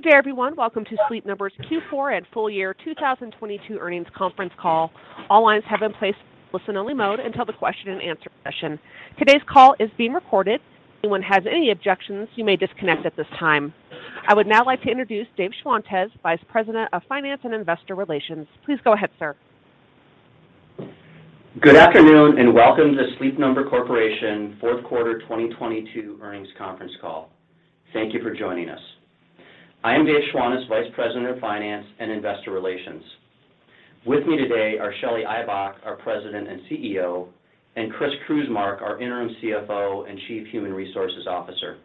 Good day, everyone. Welcome to Sleep Number's Q4 and Full Year 2022 Earnings Conference Call. All lines have been placed listen-only mode until the question and answer session. Today's call is being recorded. Anyone has any objections, you may disconnect at this time. I would now like to introduce Dave Schwantes, Vice President of Finance and Investor Relations. Please go ahead, sir. Good afternoon, welcome to Sleep Number Corporation Fourth Quarter 2022 Earnings Conference Call. Thank you for joining us. I am Dave Schwantes, Vice President of Finance and Investor Relations. With me today are Shelly Ibach, our President and CEO, and Chris Krusmark, our Interim CFO and Chief Human Resources Officer.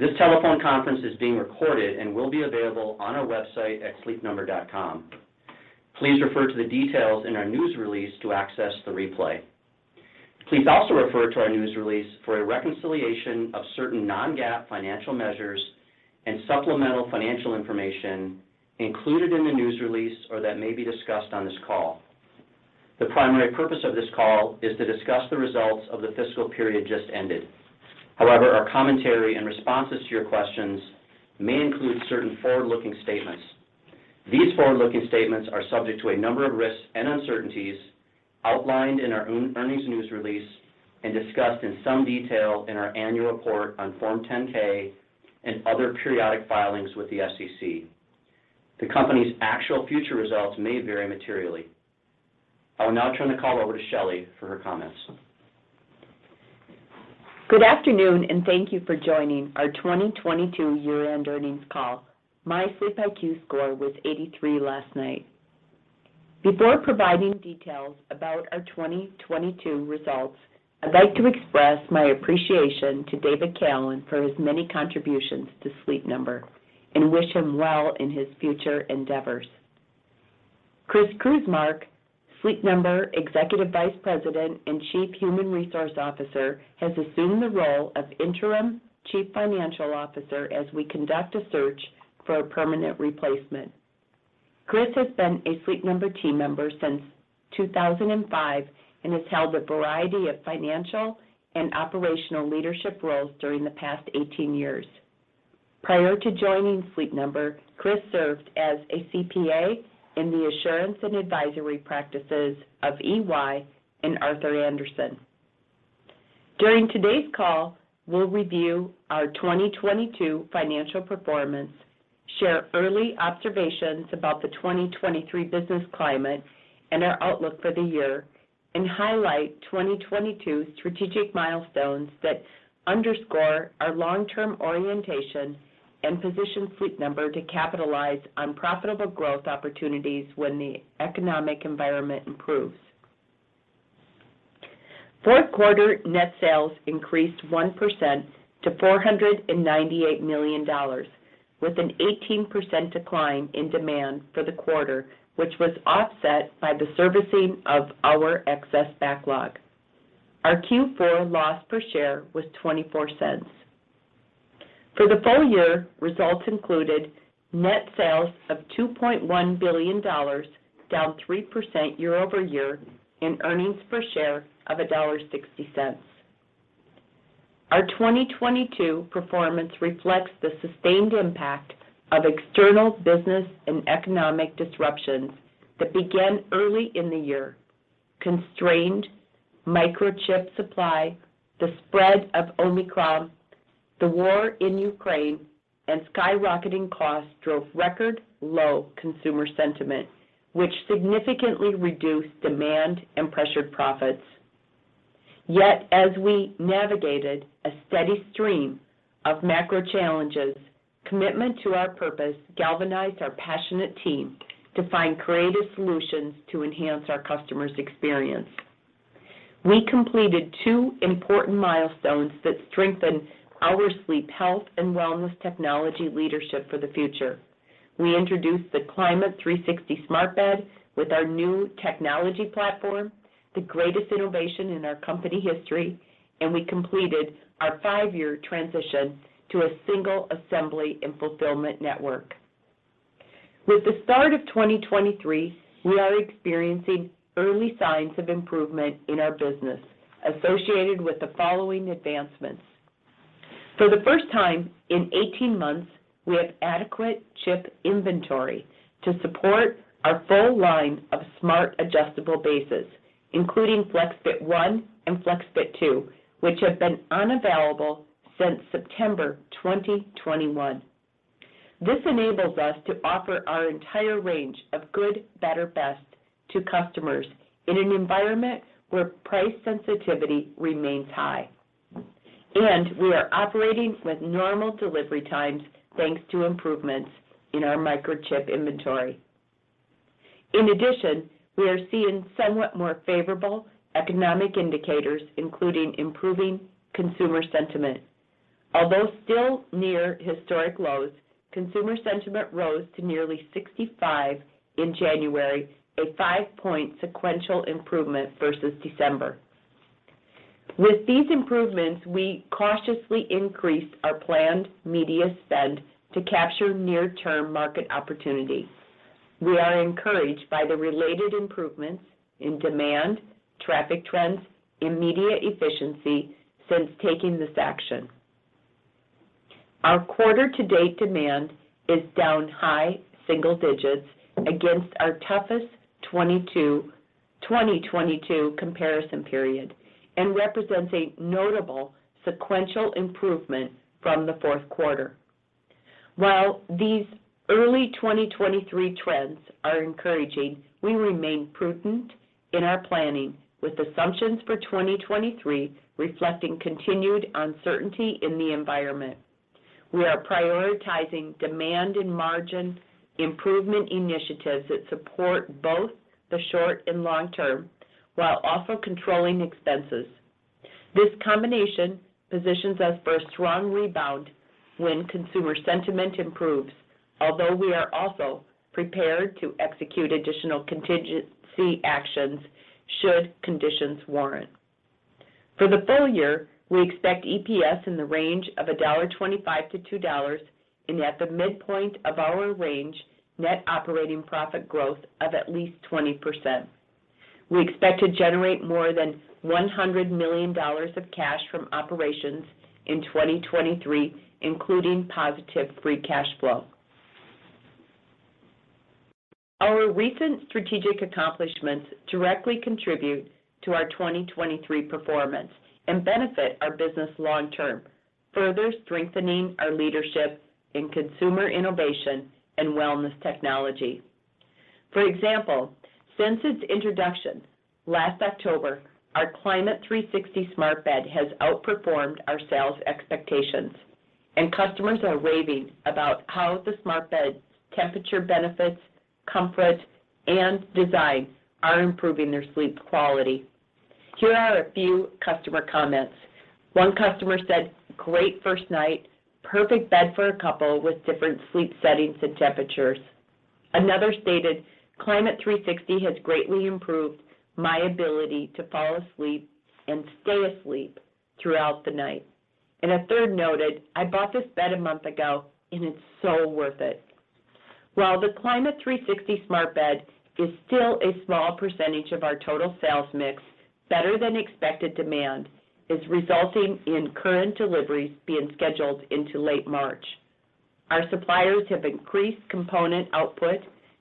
This telephone conference is being recorded and will be available on our website at sleepnumber.com. Please refer to the details in our news release to access the replay. Please also refer to our news release for a reconciliation of certain non-GAAP financial measures and supplemental financial information included in the news release or that may be discussed on this call. The primary purpose of this call is to discuss the results of the fiscal period just ended. However, our commentary and responses to your questions may include certain forward-looking statements. These forward-looking statements are subject to a number of risks and uncertainties outlined in our earnings news release and discussed in some detail in our annual report on Form 10-K and other periodic filings with the SEC. The company's actual future results may vary materially. I will now turn the call over to Shelly for her comments. Good afternoon, and thank you for joining our 2022 year-end earnings call. My SleepIQ score was 83 last night. Before providing details about our 2022 results, I'd like to express my appreciation to David Callen for his many contributions to Sleep Number and wish him well in his future endeavors. Chris Krusmark, Sleep Number Executive Vice President and Chief Human Resources Officer, has assumed the role of Interim Chief Financial Officer as we conduct a search for a permanent replacement. Chris has been a Sleep Number team member since 2005 and has held a variety of financial and operational leadership roles during the past 18 years. Prior to joining Sleep Number, Chris served as a CPA in the assurance and advisory practices of EY and Arthur Andersen. During today's call, we'll review our 2022 financial performance, share early observations about the 2023 business climate and our outlook for the year, and highlight 2022 strategic milestones that underscore our long-term orientation and position Sleep Number to capitalize on profitable growth opportunities when the economic environment improves. Fourth quarter net sales increased 1% to $498 million, with an 18% decline in demand for the quarter, which was offset by the servicing of our excess backlog. Our Q4 loss per share was $0.24. For the full year, results included net sales of $2.1 billion, down 3% year-over-year, and earnings per share of $1.60. Our 2022 performance reflects the sustained impact of external business and economic disruptions that began early in the year. Constrained microchip supply, the spread of Omicron, the war in Ukraine, and skyrocketing costs drove record low consumer sentiment, which significantly reduced demand and pressured profits. Yet, as we navigated a steady stream of macro challenges, commitment to our purpose galvanized our passionate team to find creative solutions to enhance our customers' experience. We completed two important milestones that strengthen our sleep health and wellness technology leadership for the future. We introduced the Climate360 smart bed with our new technology platform, the greatest innovation in our company history, and we completed our five-year transition to a single assembly and fulfillment network. With the start of 2023, we are experiencing early signs of improvement in our business associated with the following advancements. For the first time in 18 months, we have adequate chip inventory to support our full line of smart adjustable bases, including FlexFit 1 and FlexFit 2, which have been unavailable since September 2021. This enables us to offer our entire range of good, better, best to customers in an environment where price sensitivity remains high. We are operating with normal delivery times, thanks to improvements in our microchip inventory. In addition, we are seeing somewhat more favorable economic indicators, including improving consumer sentiment. Although still near historic lows, consumer sentiment rose to nearly 65 in January, a five-point sequential improvement versus December. With these improvements, we cautiously increased our planned media spend to capture near-term market opportunities. We are encouraged by the related improvements in demand, traffic trends, immediate efficiency since taking this action. Our quarter to date demand is down high single digits against our toughest 2022 comparison period, represents a notable sequential improvement from the fourth quarter. While these early 2023 trends are encouraging, we remain prudent in our planning with assumptions for 2023 reflecting continued uncertainty in the environment. We are prioritizing demand and margin improvement initiatives that support both the short and long-term, while also controlling expenses. This combination positions us for a strong rebound when consumer sentiment improves, although we are also prepared to execute additional contingency actions should conditions warrant. For the full year, we expect EPS in the range of $1.25-$2.00, and at the midpoint of our range, net operating profit growth of at least 20%. We expect to generate more than $100 million of cash from operations in 2023, including positive free cash flow. Our recent strategic accomplishments directly contribute to our 2023 performance and benefit our business long term, further strengthening our leadership in consumer innovation and wellness technology. For example, since its introduction last October, our Climate360 smart bed has outperformed our sales expectations, and customers are raving about how the smart bed's temperature benefits, comfort, and design are improving their sleep quality. Here are a few customer comments. One customer said, "Great first night. Perfect bed for a couple with different sleep settings and temperatures." Another stated, "Climate360 has greatly improved my ability to fall asleep and stay asleep throughout the night." A third noted, "I bought this bed a month ago and it's so worth it." While the Climate360 smart bed is still a small percentage of our total sales mix, better than expected demand is resulting in current deliveries being scheduled into late March. Our suppliers have increased component output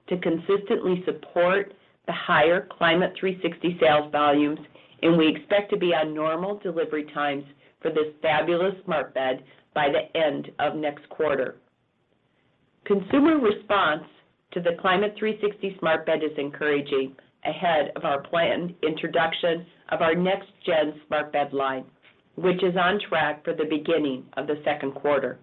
to consistently support the higher Climate360 sales volumes, and we expect to be on normal delivery times for this fabulous smart bed by the end of next quarter. Consumer response to the Climate360 smart bed is encouraging ahead of our planned introduction of our next gen smart bed line, which is on track for the beginning of the second quarter.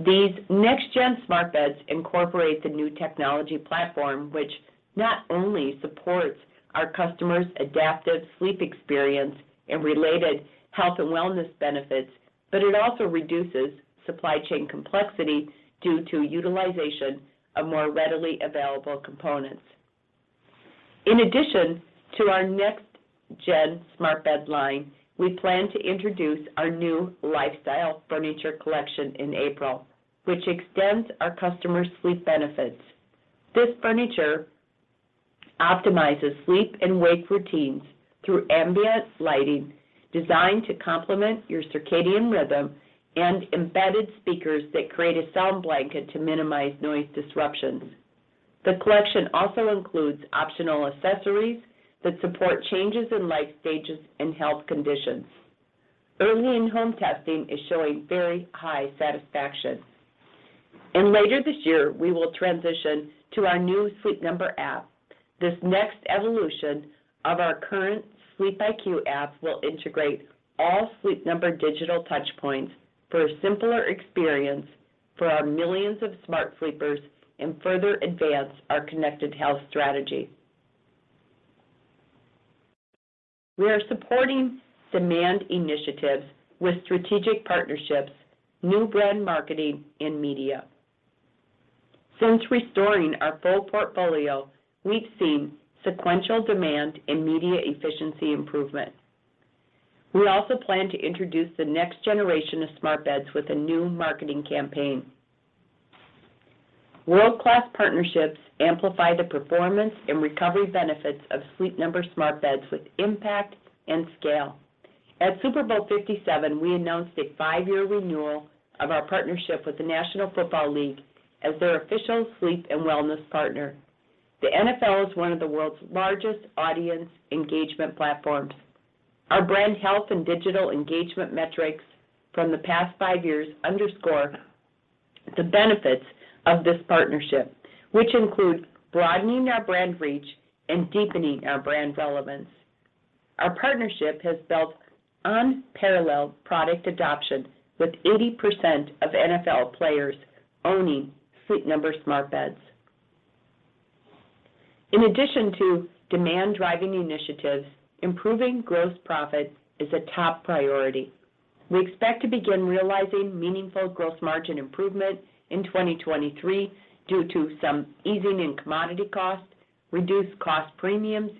These next-gen smart beds incorporate the new technology platform, which not only supports our customers' adaptive sleep experience and related health and wellness benefits, but it also reduces supply chain complexity due to utilization of more readily available components. In addition to our next-gen smart bed line, we plan to introduce our new lifestyle furniture collection in April, which extends our customers' sleep benefits. This furniture optimizes sleep and wake routines through ambient lighting designed to complement your circadian rhythm and embedded speakers that create a sound blanket to minimize noise disruptions. The collection also includes optional accessories that support changes in life stages and health conditions. Early in-home testing is showing very high satisfaction. Later this year, we will transition to our new Sleep Number app. This next evolution of our current SleepIQ app will integrate all Sleep Number digital touch points for a simpler experience for our millions of smart sleepers and further advance our connected health strategy. We are supporting demand initiatives with strategic partnerships, new brand marketing and media. Since restoring our full portfolio, we've seen sequential demand and media efficiency improvement. We also plan to introduce the next generation of smart beds with a new marketing campaign. World-class partnerships amplify the performance and recovery benefits of Sleep Number smart beds with impact and scale. At Super Bowl LVII, we announced a five-year renewal of our partnership with the National Football League as their official sleep and wellness partner. The NFL is one of the world's largest audience engagement platforms. Our brand health and digital engagement metrics from the past five years underscore the benefits of this partnership, which include broadening our brand reach and deepening our brand relevance. Our partnership has built unparalleled product adoption with 80% of NFL players owning Sleep Number smart beds. In addition to demand-driving initiatives, improving gross profit is a top priority. We expect to begin realizing meaningful gross margin improvement in 2023 due to some easing in commodity costs, reduced cost premiums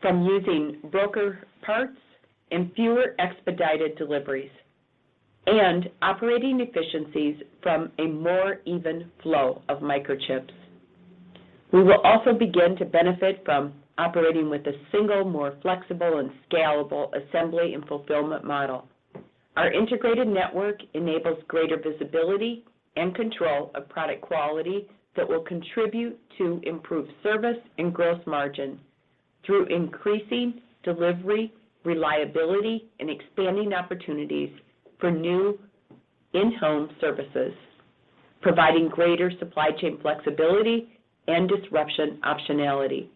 from using broker parts and fewer expedited deliveries. Operating efficiencies from a more even flow of microchips. We will also begin to benefit from operating with a single, more flexible and scalable assembly and fulfillment model. Our integrated network enables greater visibility and control of product quality that will contribute to improved service and gross margin through increasing delivery, reliability, and expanding opportunities for new in-home services, providing greater supply chain flexibility and disruption optionality,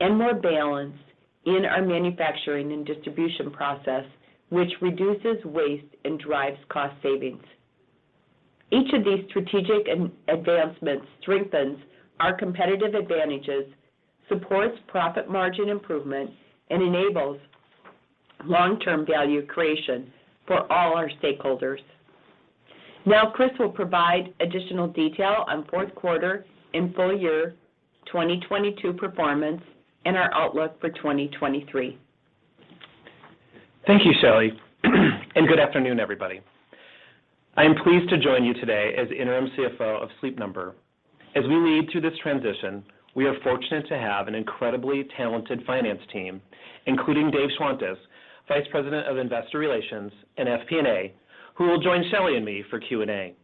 and more balance in our manufacturing and distribution process, which reduces waste and drives cost savings. Each of these strategic and advancements strengthens our competitive advantages, supports profit margin improvement, and enables long-term value creation for all our stakeholders. Now, Chris will provide additional detail on fourth quarter and full year 2022 performance and our outlook for 2023. Thank you, Shelly. Good afternoon, everybody. I am pleased to join you today as interim CFO of Sleep Number. As we lead through this transition, we are fortunate to have an incredibly talented finance team, including Dave Schwantes, Vice President of Investor Relations and FP&A, who will join Shelly and me for Q&A.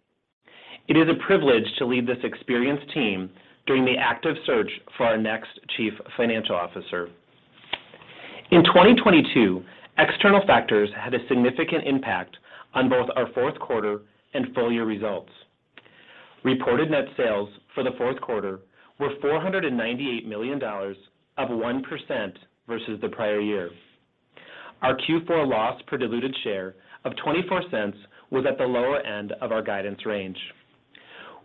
It is a privilege to lead this experienced team during the active search for our next Chief Financial Officer. In 2022, external factors had a significant impact on both our fourth quarter and full year results. Reported net sales for the fourth quarter were $498 million, up 1% versus the prior year. Our Q4 loss per diluted share of $0.24 was at the lower end of our guidance range.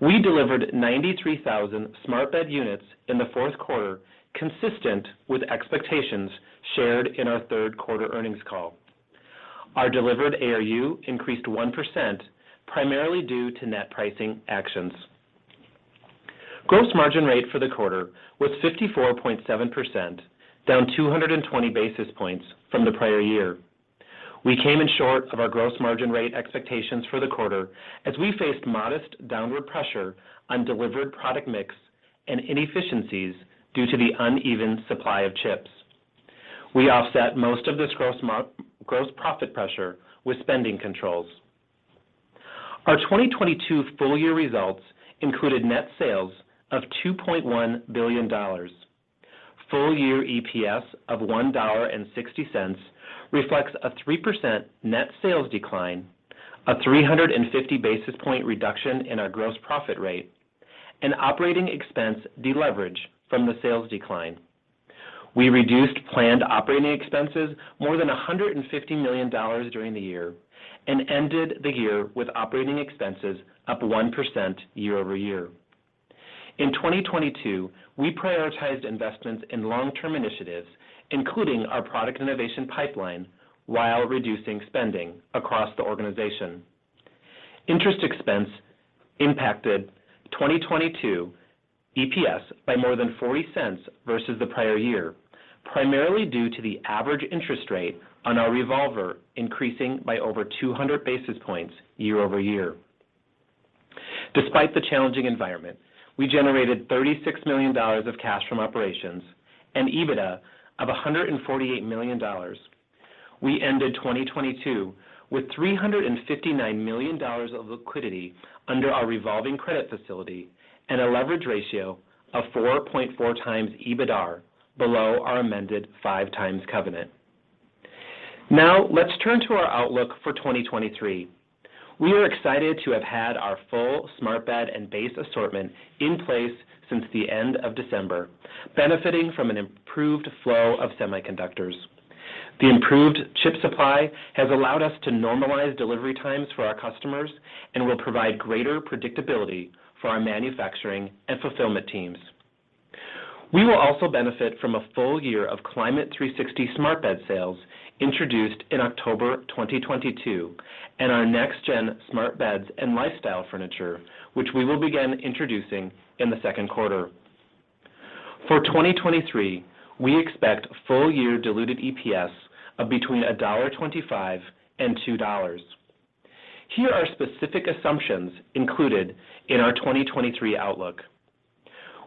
We delivered 93,000 smart bed units in the fourth quarter, consistent with expectations shared in our third quarter earnings call. Our delivered ARU increased 1%, primarily due to net pricing actions. Gross margin rate for the quarter was 54.7%, down 220 basis points from the prior year. We came in short of our gross margin rate expectations for the quarter as we faced modest downward pressure on delivered product mix and inefficiencies due to the uneven supply of chips. We offset most of this gross profit pressure with spending controls. Our 2022 full year results included net sales of $2.1 billion. Full year EPS of $1.60 reflects a 3% net sales decline, a 350 basis point reduction in our gross profit rate, and operating expense deleverage from the sales decline. We reduced planned operating expenses more than $150 million during the year and ended the year with operating expenses up 1% year-over-year. In 2022, we prioritized investments in long-term initiatives, including our product innovation pipeline, while reducing spending across the organization. Interest expense impacted 2022 EPS by more than $0.40 versus the prior year, primarily due to the average interest rate on our revolver increasing by over 200 basis points year-over-year. Despite the challenging environment, we generated $36 million of cash from operations and EBITDA of $148 million. We ended 2022 with $359 million of liquidity under our revolving credit facility and a leverage ratio of 4.4x EBITDAR below our amended 5x covenant. Now, let's turn to our outlook for 2023. We are excited to have had our full smart bed and base assortment in place since the end of December, benefiting from an improved flow of semiconductors. The improved chip supply has allowed us to normalize delivery times for our customers and will provide greater predictability for our manufacturing and fulfillment teams. We will also benefit from a full year of Climate360 smart bed sales introduced in October 2022 and our next gen smart beds and lifestyle furniture, which we will begin introducing in the second quarter. For 2023, we expect full year diluted EPS of between $1.25 and $2. Here are specific assumptions included in our 2023 outlook.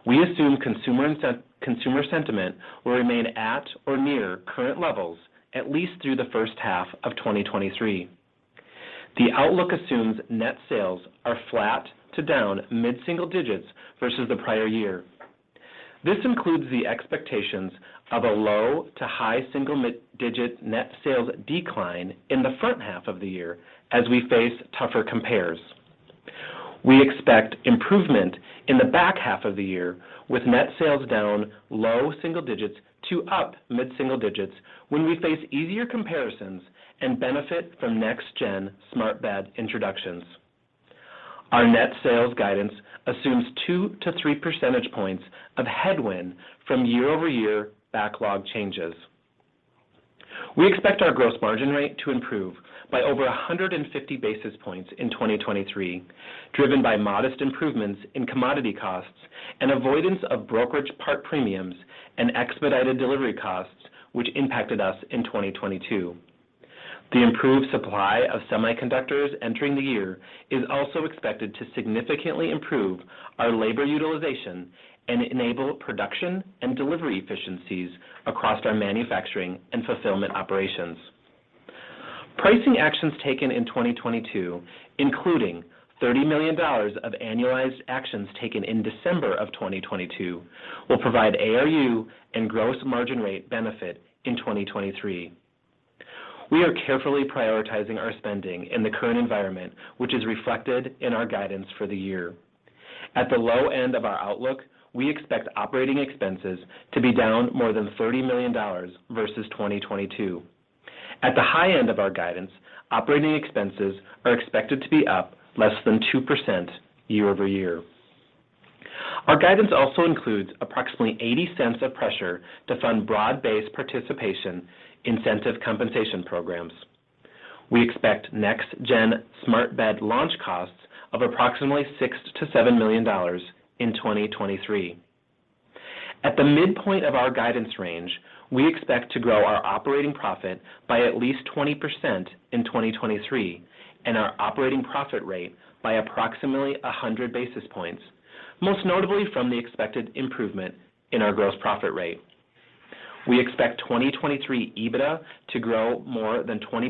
We assume consumer sentiment will remain at or near current levels at least through the first half of 2023. The outlook assumes net sales are flat to down mid-single digits versus the prior year. This includes the expectations of a low to high single mid-digit net sales decline in the front half of the year as we face tougher compares. We expect improvement in the back half of the year with net sales down low single digits to up mid-single digits when we face easier comparisons and benefit from next-gen smart bed introductions. Our net sales guidance assumes 2-3 percentage points of headwind from year-over-year backlog changes. We expect our gross margin rate to improve by over 150 basis points in 2023, driven by modest improvements in commodity costs and avoidance of brokerage part premiums and expedited delivery costs, which impacted us in 2022. The improved supply of semiconductors entering the year is also expected to significantly improve our labor utilization and enable production and delivery efficiencies across our manufacturing and fulfillment operations. Pricing actions taken in 2022, including $30 million of annualized actions taken in December of 2022, will provide ARU and gross margin rate benefit in 2023. We are carefully prioritizing our spending in the current environment, which is reflected in our guidance for the year. At the low end of our outlook, we expect operating expenses to be down more than $30 million versus 2022. At the high end of our guidance, operating expenses are expected to be up less than 2% year-over-year. Our guidance also includes approximately $0.80 of pressure to fund broad-based participation incentive compensation programs. We expect next-gen smart bed launch costs of approximately $6 million-$7 million in 2023. At the midpoint of our guidance range, we expect to grow our operating profit by at least 20% in 2023 and our operating profit rate by approximately 100 basis points, most notably from the expected improvement in our gross profit rate. We expect 2023 EBITDA to grow more than 20%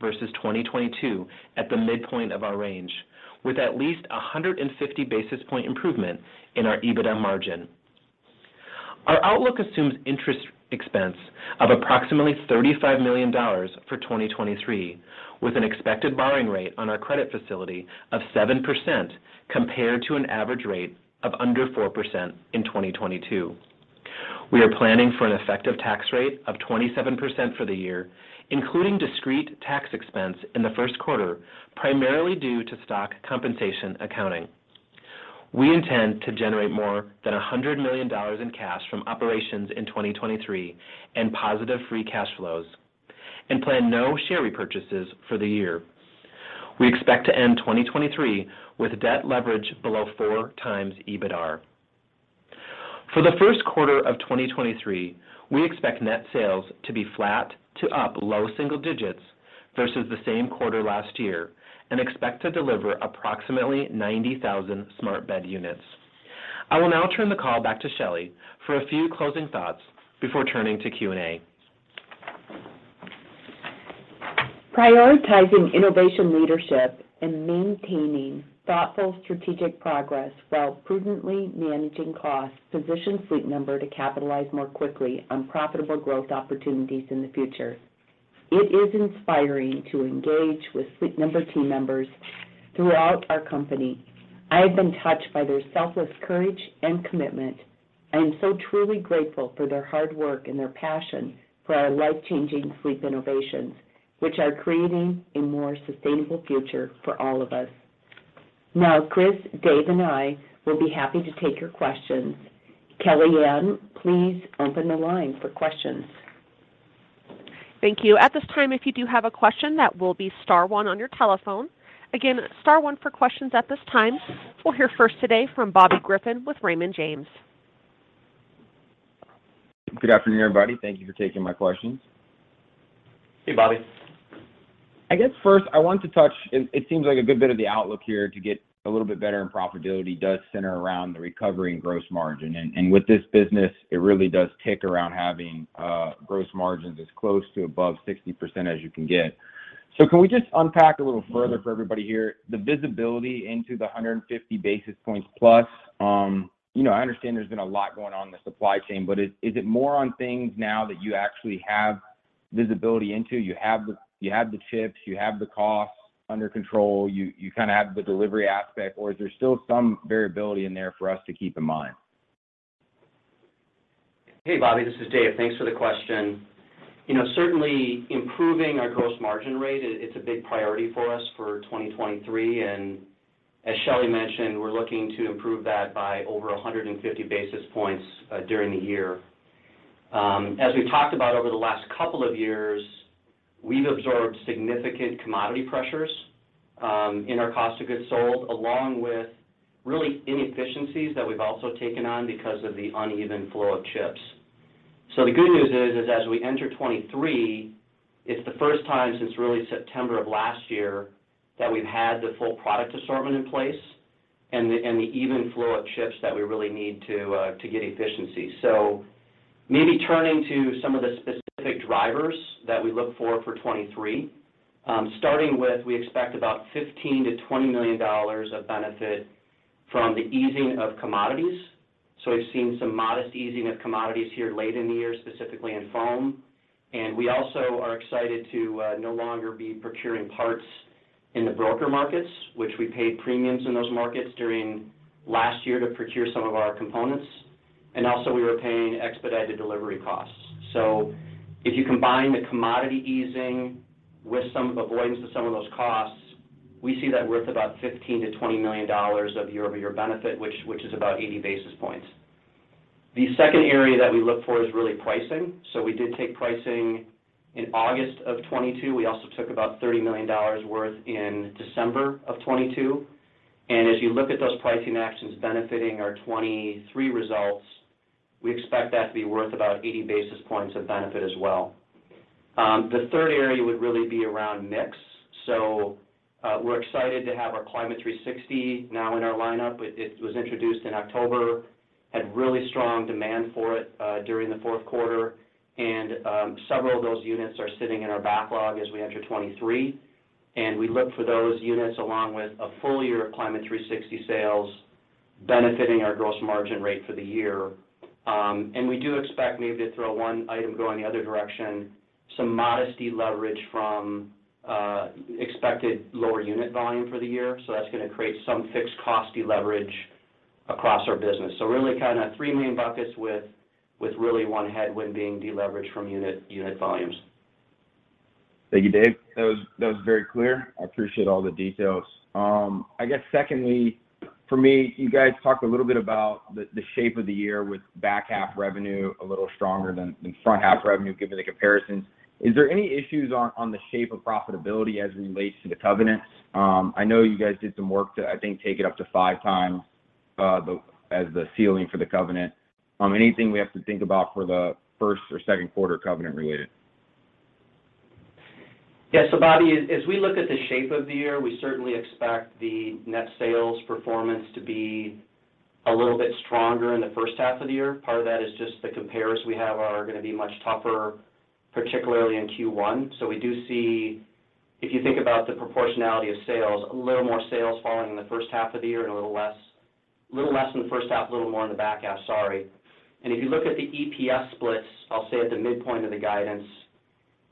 versus 2022 at the midpoint of our range, with at least a 150 basis point improvement in our EBITDA margin. Our outlook assumes interest expense of approximately $35 million for 2023, with an expected borrowing rate on our credit facility of 7% compared to an average rate of under 4% in 2022. We are planning for an effective tax rate of 27% for the year, including discrete tax expense in the first quarter, primarily due to stock compensation accounting. We intend to generate more than $100 million in cash from operations in 2023 and positive free cash flows and plan no share repurchases for the year. We expect to end 2023 with debt leverage below 4x EBITDAR. For the first quarter of 2023, we expect net sales to be flat to up low single digits versus the same quarter last year and expect to deliver approximately 90,000 smart bed units.I will now turn the call back to Shelley for a few closing thoughts before turning to Q&A. Prioritizing innovation leadership and maintaining thoughtful strategic progress while prudently managing costs positions Sleep Number to capitalize more quickly on profitable growth opportunities in the future. It is inspiring to engage with Sleep Number team members throughout our company. I have been touched by their selfless courage and commitment. I am so truly grateful for their hard work and their passion for our life-changing sleep innovations, which are creating a more sustainable future for all of us. Chris, Dave, and I will be happy to take your questions. Kelly Ann, please open the line for questions. Thank you. At this time, if you do have a question, that will be star one on your telephone. Again, star one for questions at this time. We'll hear first today from Bobby Griffin with Raymond James. Good afternoon, everybody. Thank you for taking my questions. Hey, Bobby. I guess first I want to touch. It seems like a good bit of the outlook here to get a little bit better in profitability does center around the recovery and gross margin. With this business, it really does tick around having gross margins as close to above 60% as you can get. Can we just unpack a little further for everybody here the visibility into the 150+ basis points? You know, I understand there's been a lot going on in the supply chain, but is it more on things now that you actually have visibility into? You have the chips, you have the costs under control, you kinda have the delivery aspect, or is there still some variability in there for us to keep in mind? Hey, Bobby, this is Dave. Thanks for the question. You know, certainly improving our gross margin rate it's a big priority for us for 2023. As Shelly mentioned, we're looking to improve that by over 150 basis points during the year. As we've talked about over the last couple of years, we've absorbed significant commodity pressures in our cost of goods sold, along with really inefficiencies that we've also taken on because of the uneven flow of chips. The good news is, as we enter 2023, it's the first time since really September of last year that we've had the full product assortment in place and the even flow of chips that we really need to get efficiency. Maybe turning to some of the specific drivers that we look for for 2023, starting with, we expect about $15 million-$20 million of benefit from the easing of commodities. We've seen some modest easing of commodities here late in the year, specifically in foam. We also are excited to no longer be procuring parts in the broker markets, which we paid premiums in those markets during last year to procure some of our components. Also we were paying expedited delivery costs. If you combine the commodity easing with some avoidance of some of those costs, we see that worth about $15 million-$20 million of year-over-year benefit, which is about 80 basis points. The second area that we look for is really pricing. We did take pricing in August of 2022. We also took about $30 million worth in December of 2022. As you look at those pricing actions benefiting our 2023 results We expect that to be worth about 80 basis points of benefit as well. The third area would really be around mix. We're excited to have our Climate360 now in our lineup. It was introduced in October, had really strong demand for it during the fourth quarter, and several of those units are sitting in our backlog as we enter 2023. We look for those units along with a full year of Climate360 sales benefiting our gross margin rate for the year. We do expect maybe to throw one item going the other direction, some modesty leverage from expected lower unit volume for the year. That's gonna create some fixed cost deleverage across our business. Really kind of three main buckets with really one headwind being deleveraged from unit volumes. Thank you, Dave. That was very clear. I appreciate all the details. I guess secondly, for me, you guys talked a little bit about the shape of the year with back half revenue a little stronger than front half revenue, given the comparisons. Is there any issues on the shape of profitability as it relates to the covenants? I know you guys did some work to, I think, take it up to 5x as the ceiling for the covenant. Anything we have to think about for the first or second quarter covenant related? Yeah. Bobby, as we look at the shape of the year, we certainly expect the net sales performance to be a little bit stronger in the first half of the year. Part of that is just the compares we have are gonna be much tougher, particularly in Q1. We do see, if you think about the proportionality of sales, Little less in the first half, a little more in the back half. Sorry. If you look at the EPS splits, I'll say at the midpoint of the guidance,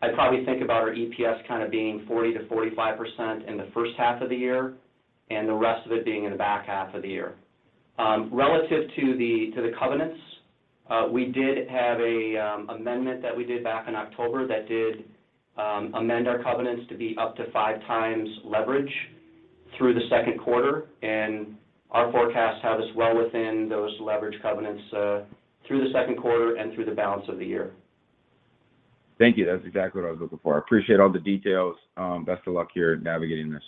I'd probably think about our EPS kind of being 40%-45% in the first half of the year, and the rest of it being in the back half of the year. Relative to the covenants, we did have a amendment that we did back in October that did amend our covenants to be up to 5x leverage through the second quarter. Our forecasts have us well within those leverage covenants, through the second quarter and through the balance of the year. Thank you. That's exactly what I was looking for. I appreciate all the details. Best of luck here navigating this.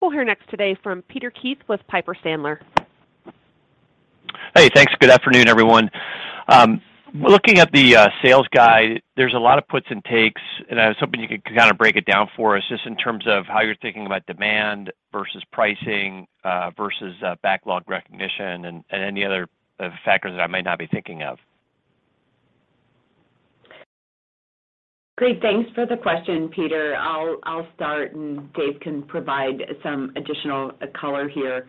We'll hear next today from Peter Keith with Piper Sandler. Hey, thanks. Good afternoon, everyone. Looking at the sales guide, there's a lot of puts and takes, and I was hoping you could kind of break it down for us just in terms of how you're thinking about demand versus pricing, versus backlog recognition and any other factors that I might not be thinking of? Great. Thanks for the question, Peter. I'll start, and Dave can provide some additional color here.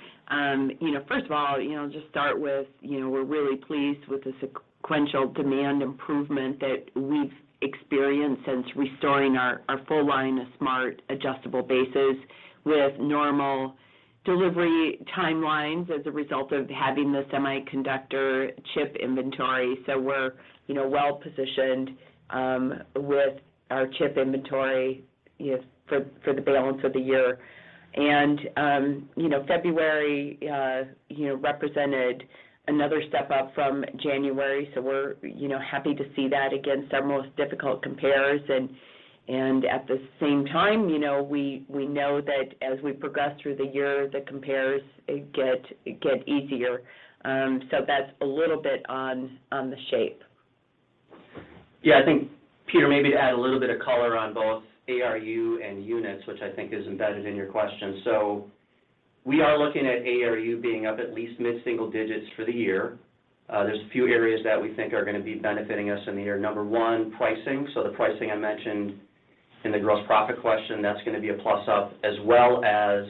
First of all, you know, just start with, you know, we're really pleased with the sequential demand improvement that we've experienced since restoring our full line of smart adjustable bases with normal delivery timelines as a result of having the semiconductor chip inventory. We're well positioned with our chip inventory, you know, for the balance of the year. February, you know, represented another step up from January, so we're happy to see that against our most difficult compares. At the same time, you know, we know that as we progress through the year, the compares get easier. That's a little bit on the shape. I think, Peter, maybe to add a little bit of color on both ARU and units, which I think is embedded in your question. We are looking at ARU being up at least mid-single digits for the year. There's a few areas that we think are gonna be benefiting us in the year. Number one, pricing. The pricing I mentioned in the gross profit question, that's gonna be a plus up as well as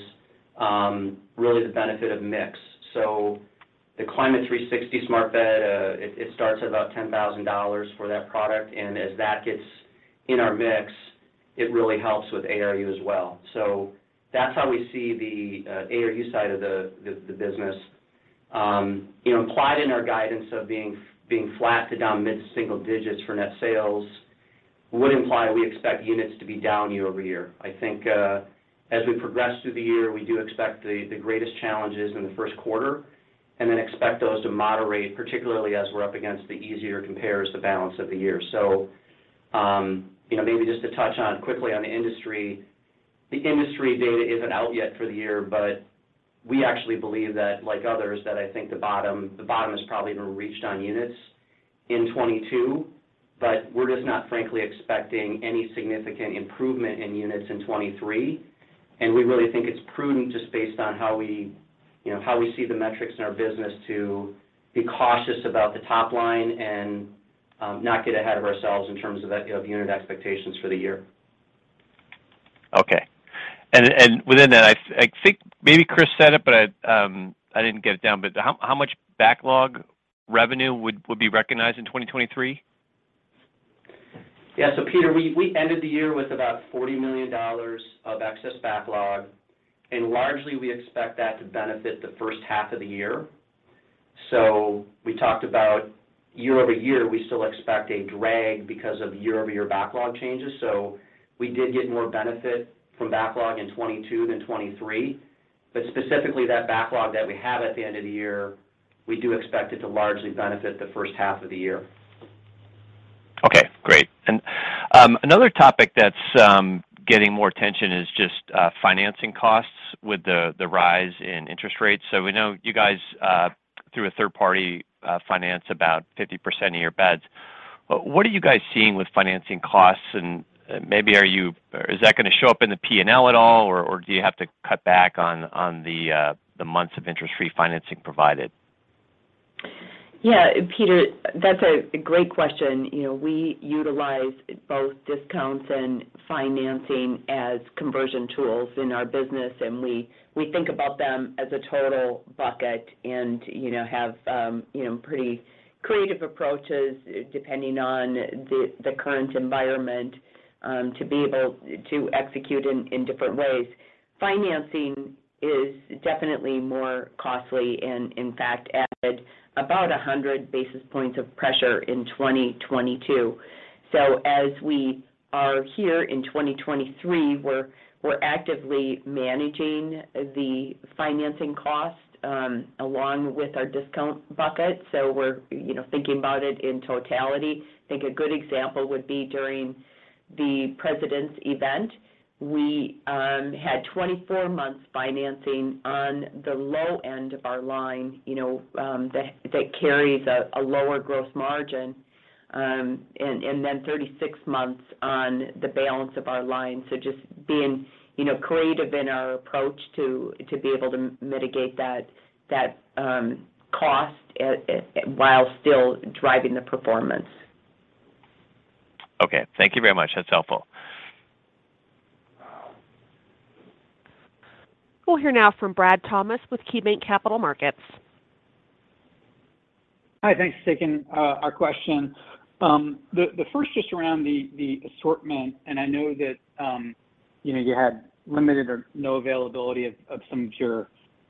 really the benefit of mix. The Climate360 smart bed, it starts at about $10,000 for that product, and as that gets in our mix, it really helps with ARU as well. That's how we see the ARU side of the business. You know, implied in our guidance of being flat to down mid-single digits for net sales would imply we expect units to be down year-over-year. I think, as we progress through the year, we do expect the greatest challenges in the first quarter, and then expect those to moderate, particularly as we're up against the easier compares the balance of the year. You know, maybe just to touch on quickly on the industry. The industry data isn't out yet for the year, but we actually believe that like others, that I think the bottom has probably been reached on units in 2022, but we're just not frankly expecting any significant improvement in units in 2023. We really think it's prudent just based on how we, you know, how we see the metrics in our business to be cautious about the top line and not get ahead of ourselves in terms of the, you know, the unit expectations for the year. Okay. Within that, I think maybe Chris said it, but I didn't get it down, but how much backlog revenue would be recognized in 2023? Yeah. Peter, we ended the year with about $40 million of excess backlog. Largely, we expect that to benefit the first half of the year. We talked about year-over-year, we still expect a drag because of year-over-year backlog changes. We did get more benefit from backlog in 2022 than 2023. Specifically, that backlog that we have at the end of the year, we do expect it to largely benefit the first half of the year. Okay, great. Another topic that's getting more attention is just financing costs with the rise in interest rates. We know you guys, through a third party, finance about 50% of your beds. What are you guys seeing with financing costs? Maybe is that gonna show up in the P&L at all, or do you have to cut back on the months of interest-free financing provided? Yeah, Peter, that's a great question. You know, we utilize both discounts and financing as conversion tools in our business, and we think about them as a total bucket and, you know, have, you know, pretty creative approaches depending on the current environment to be able to execute in different ways. Financing is definitely more costly and in fact added about 100 basis points of pressure in 2022. As we are here in 2023, we're actively managing the financing cost, along with our discount bucket. we're, you know, thinking about it in totality. I think a good example would be during the President's event. We had 24 months financing on the low end of our line, you know, that carries a lower gross margin, and then 36 months on the balance of our line. Just being, you know, creative in our approach to be able to mitigate that cost, while still driving the performance. Okay. Thank you very much. That's helpful. We'll hear now from Brad Thomas with KeyBanc Capital Markets. Hi. Thanks for taking our question. The first just around the assortment, and I know that, you know, you had limited or no availability of some of your,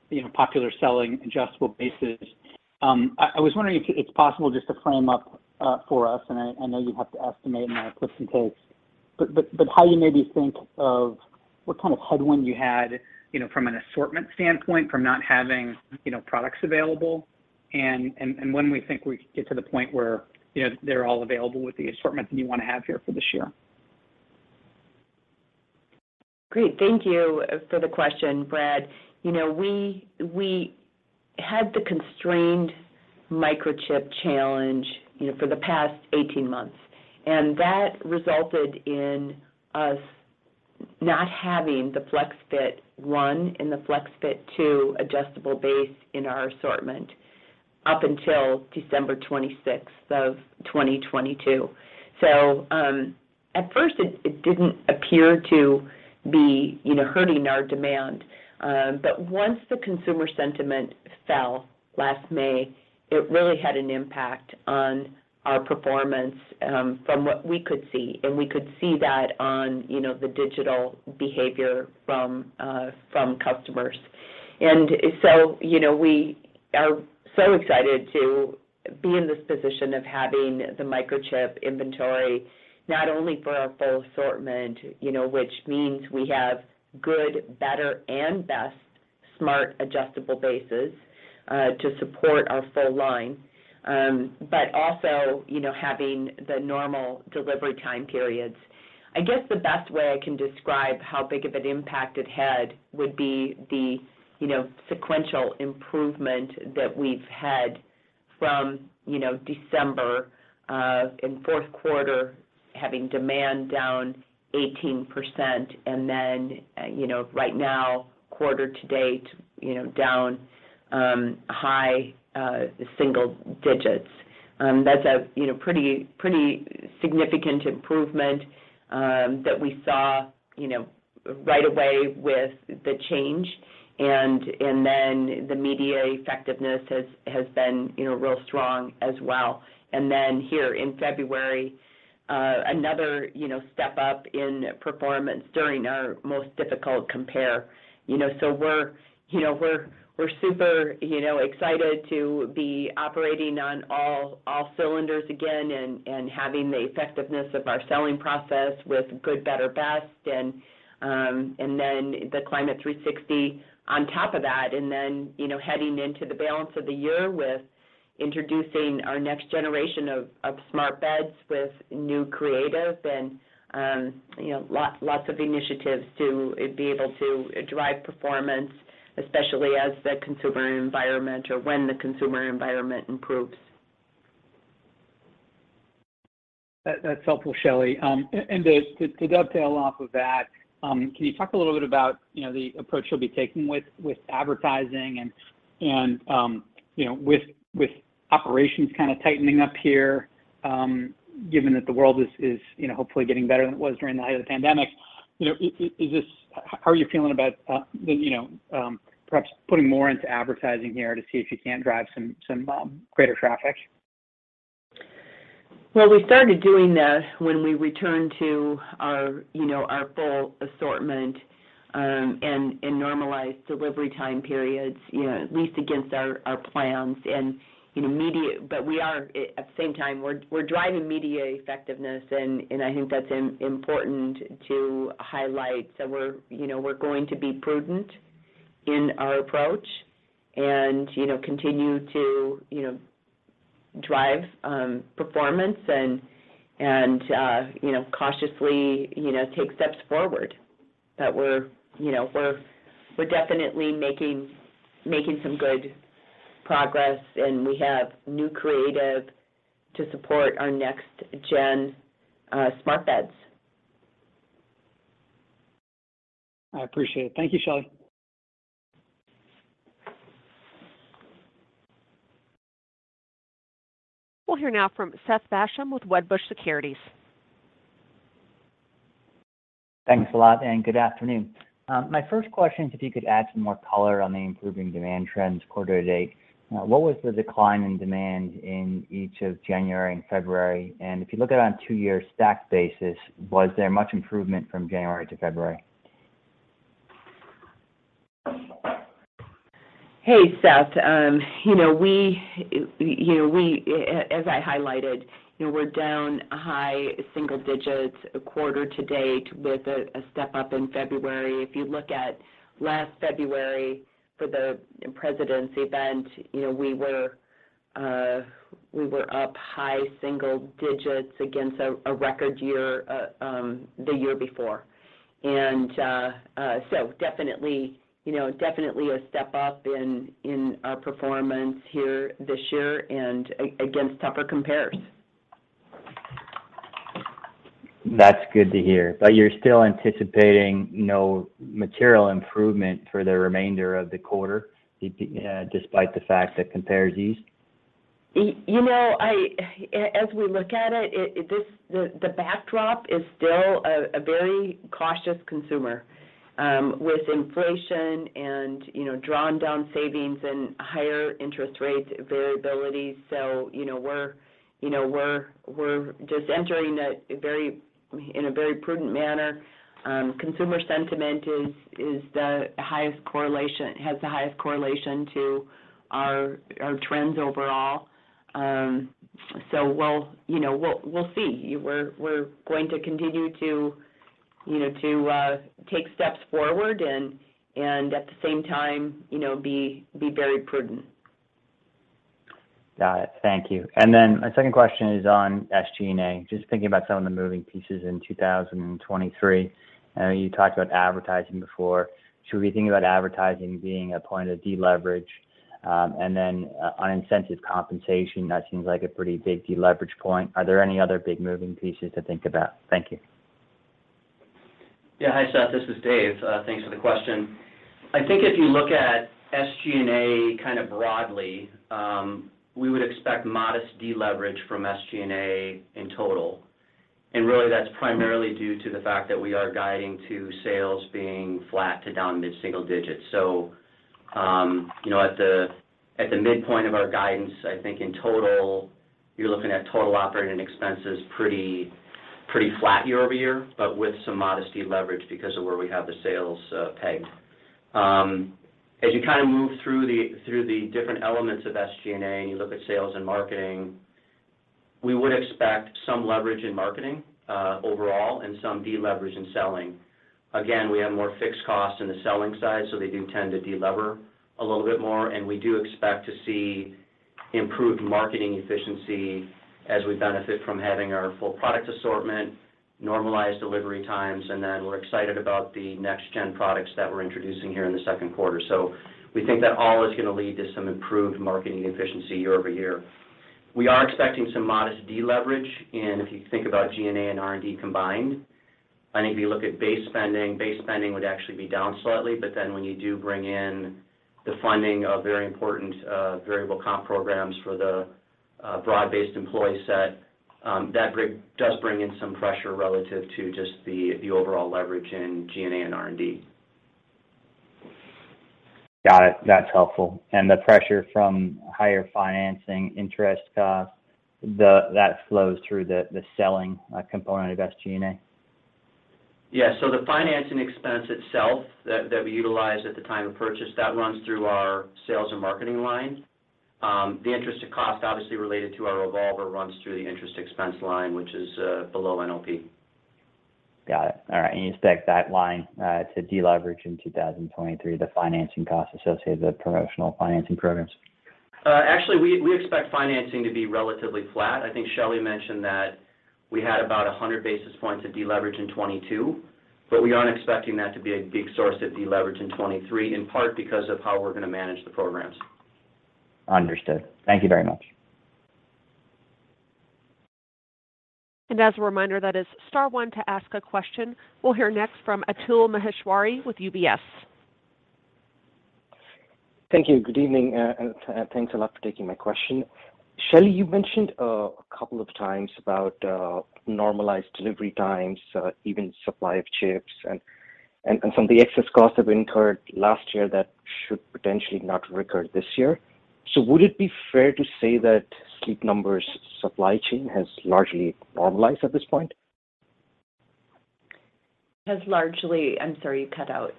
you know, popular selling adjustable bases. I was wondering if it's possible just to frame up for us, and I know you have to estimate and there are twists and turns, but how you maybe think of what kind of headwind you had, you know, from an assortment standpoint from not having, you know, products available and when we think we could get to the point where, you know, they're all available with the assortment that you wanna have here for this year? Great. Thank you for the question, Brad. You know, we had the constrained microchip challenge, you know, for the past 18 months, and that resulted in us not having the FlexFit 1 and the FlexFit 2 adjustable base in our assortment up until December 26th of 2022. At first it didn't appear to be, you know, hurting our demand. Once the consumer sentiment fell last May, it really had an impact on our performance, from what we could see, and we could see that on, you know, the digital behavior from customers. You know, we are so excited to be in this position of having the microchip inventory, not only for our full assortment, you know, which means we have good, better, and best smart adjustable bases to support our full line, but also, you know, having the normal delivery time periods. I guess the best way I can describe how big of an impact it had would be the, you know, sequential improvement that we've had from, you know, December, in fourth quarter having demand down 18% and then, you know, right now quarter to date, you know, down high single digits. That's a, you know, pretty significant improvement that we saw, you know, right away with the change. The media effectiveness has been, you know, real strong as well. Here in February, another, you know, step up in performance during our most difficult compare. You know, we're, you know, we're super, you know, excited to be operating on all cylinders again and having the effectiveness of our selling process with good, better, best and then the Climate360 on top of that, then, you know, heading into the balance of the year with introducing our next generation of smart beds with new creative and, you know, lots of initiatives to be able to drive performance, especially as the consumer environment or when the consumer environment improves. That's helpful, Shelly. To dovetail off of that, can you talk a little bit about, you know, the approach you'll be taking with advertising and, you know, with operations kinda tightening up here, given that the world is, you know, hopefully getting better than it was during the height of the pandemic. You know, how are you feeling about, you know, perhaps putting more into advertising here to see if you can't drive some greater traffic? Well, we started doing that when we returned to our, you know, our full assortment, and normalized delivery time periods, you know, at least against our plans and in immediate. We are, at the same time, we're driving media effectiveness, and I think that's important to highlight. We're, you know, we're going to be prudent in our approach. You know, continue to, you know, drive, performance and, you know, cautiously, you know, take steps forward that we're, you know, we're definitely making some good progress. We have new creative to support our next-gen, smart beds. I appreciate it. Thank you, Shelly. We'll hear now from Seth Basham with Wedbush Securities. Thanks a lot, and good afternoon. My first question is if you could add some more color on the improving demand trends quarter-to-date. What was the decline in demand in each of January and February? If you look at it on two-year stack basis, was there much improvement from January to February? Hey, Seth. You know, as I highlighted, you know, we're down high single digits quarter to date with a step up in February. If you look at last February for the President's event, you know, we were up high single digits against a record year the year before. So definitely, you know, definitely a step up in our performance here this year and against tougher compares. That's good to hear. You're still anticipating no material improvement for the remainder of the quarter despite the fact that compares ease? You know, as we look at it, the backdrop is still a very cautious consumer, with inflation and, you know, drawn down savings and higher interest rates variability. You know, we're, you know, we're just entering in a very prudent manner. Consumer sentiment has the highest correlation to our trends overall. We'll, you know, we'll see. We're going to continue to, you know, to take steps forward and, at the same time, you know, be very prudent. Got it. Thank you. My second question is on SG&A, just thinking about some of the moving pieces in 2023. I know you talked about advertising before. Should we think about advertising being a point of deleverage? On incentive compensation, that seems like a pretty big deleverage point. Are there any other big moving pieces to think about? Thank you. Yeah. Hi, Seth. This is Dave. Thanks for the question. I think if you look at SG&A kind of broadly, we would expect modest deleverage from SG&A in total. That's primarily due to the fact that we are guiding to sales being flat to down mid-single digits. You know, at the, at the midpoint of our guidance, I think in total, you're looking at total operating expenses pretty flat year-over-year, but with some modest deleverage because of where we have the sales pegged. As you kind of move through the, through the different elements of SG&A and you look at sales and marketing, we would expect some leverage in marketing overall and some deleverage in selling. Again, we have more fixed costs in the selling side, so they do tend to delever a little bit more. We do expect to see improved marketing efficiency as we benefit from having our full product assortment, normalized delivery times, and then we're excited about the next gen products that we're introducing here in the second quarter. We think that all is gonna lead to some improved marketing efficiency year-over-year. We are expecting some modest deleverage. If you think about G&A and R&D combined, I think if you look at base spending, base spending would actually be down slightly, but then when you do bring in the funding of very important variable comp programs for the broad-based employee set, that does bring in some pressure relative to just the overall leverage in G&A and R&D. Got it. That's helpful. The pressure from higher financing interest costs, that flows through the selling component of SG&A? Yeah. The financing expense itself that we utilized at the time of purchase, that runs through our sales and marketing line. The interest to cost obviously related to our revolver runs through the interest expense line, which is below NOP. Got it. All right. You expect that line to deleverage in 2023, the financing costs associated with promotional financing programs? Actually, we expect financing to be relatively flat. I think Shelly mentioned that we had about 100 basis points of deleverage in 2022. We aren't expecting that to be a big source of deleverage in 2023, in part because of how we're gonna manage the programs. Understood. Thank you very much. As a reminder, that is star one to ask a question. We'll hear next from Atul Maheshwari with UBS. Thank you. Good evening. Thanks a lot for taking my question. Shelly, you mentioned a couple of times about normalized delivery times, even supply of chips and some of the excess costs that were incurred last year that should potentially not recur this year. Would it be fair to say that Sleep Number's supply chain has largely normalized at this point? Has largely? I'm sorry, you cut out.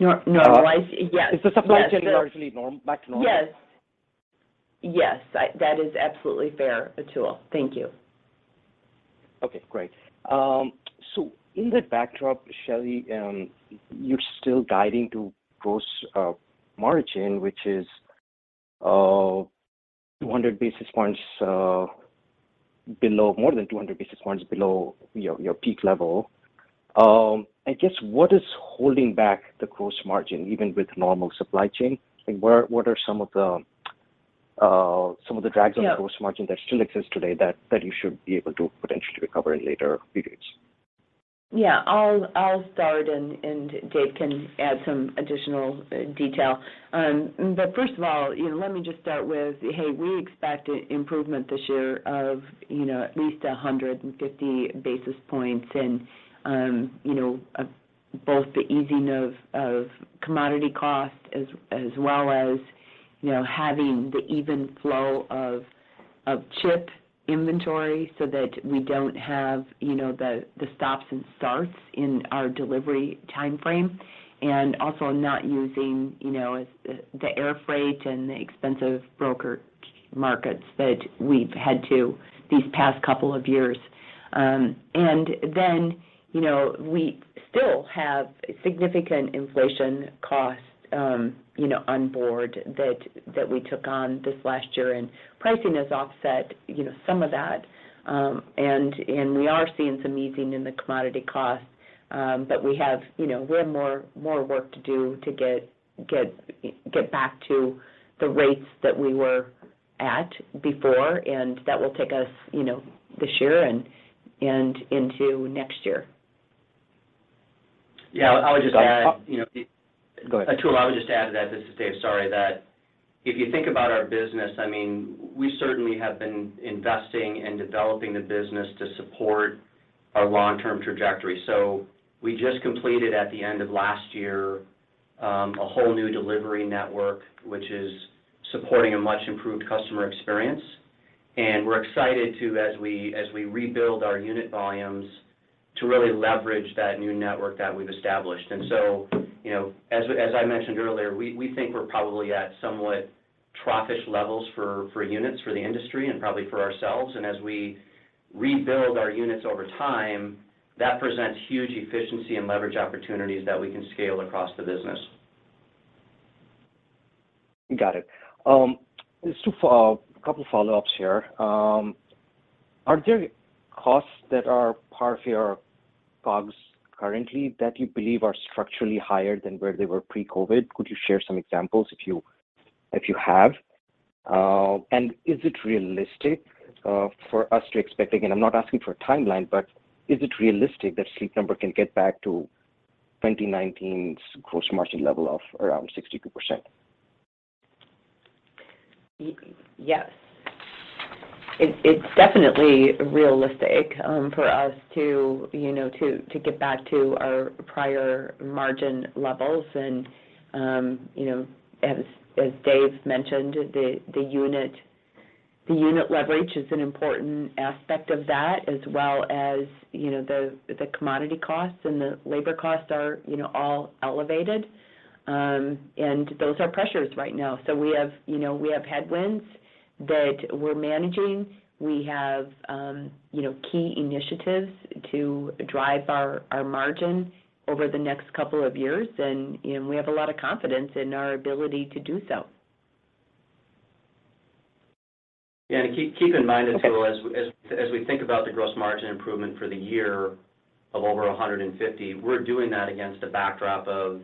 Normalized? Yes. Is the supply chain largely back to normal? Yes. Yes. That is absolutely fair, Atul. Thank you. Okay, great. In that backdrop, Shelly, you're still guiding to gross margin, which is more than 200 basis points below your peak level. I guess what is holding back the gross margin even with normal supply chain? Like, what are some of the drags on the gross margin that still exist today that you should be able to potentially recover in later periods? Yeah. I'll start and Dave can add some additional detail. First of all, you know, let me just start with, hey, we expect improvement this year of, you know, at least 150 basis points and, you know, of both the easing of commodity costs as well as, you know, having the even flow of chip inventory so that we don't have, you know, the stops and starts in our delivery timeframe. Also not using, you know, the air freight and the expensive broker markets that we've had to these past couple of years. Then, you know, we still have significant inflation costs, you know, on board that we took on this last year, and pricing has offset, you know, some of that. We are seeing some easing in the commodity costs. We have. You know, we have more work to do to get back to the rates that we were at before, and that will take us, you know, this year and into next year. Yeah. I would just add, you know. Go ahead. Atul, I would just add to that, this is Dave. Sorry. That if you think about our business, I mean, we certainly have been investing in developing the business to support our long-term trajectory. We just completed at the end of last year, a whole new delivery network, which is supporting a much improved customer experience. We're excited to, as we rebuild our unit volumes, to really leverage that new network that we've established. You know, as I mentioned earlier, we think we're probably at somewhat trough-ish levels for units for the industry and probably for ourselves. As we rebuild our units over time, that presents huge efficiency and leverage opportunities that we can scale across the business. Got it. Just a couple follow-ups here. Are there costs that are part of your COGS currently that you believe are structurally higher than where they were pre-COVID? Could you share some examples if you, if you have? Again, I'm not asking for a timeline, but is it realistic that Sleep Number can get back to 2019's gross margin level of around 62%? Yes. It's definitely realistic, for us to, you know, to get back to our prior margin levels. As Dave mentioned, the unit leverage is an important aspect of that, as well as, you know, the commodity costs and the labor costs are, you know, all elevated. Those are pressures right now. We have, you know, we have headwinds that we're managing. We have, you know, key initiatives to drive our margin over the next couple of years and we have a lot of confidence in our ability to do so. Keep in mind as well, as we think about the gross margin improvement for the year of over 150, we're doing that against a backdrop of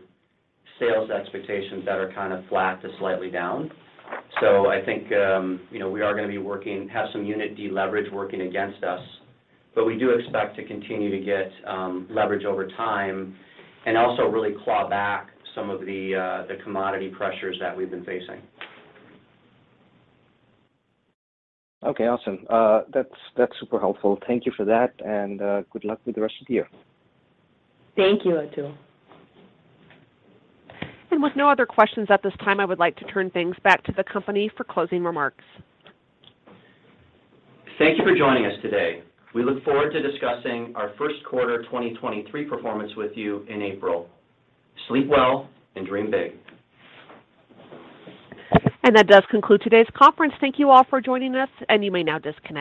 sales expectations that are kind of flat to slightly down. I think, you know, we are gonna be working, have some unit deleverage working against us, we do expect to continue to get leverage over time and also really claw back some of the commodity pressures that we've been facing. Okay. Awesome. That's super helpful. Thank you for that, and good luck with the rest of the year. Thank you, Atul. With no other questions at this time, I would like to turn things back to the company for closing remarks. Thank you for joining us today. We look forward to discussing our first quarter of 2023 performance with you in April. Sleep well and dream big. That does conclude today's conference. Thank you all for joining us, and you may now disconnect.